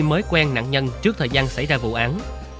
mới quen nạn nhân trước thời gian xảy ra vụ án